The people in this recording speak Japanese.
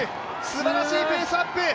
すばらしいペースアップ！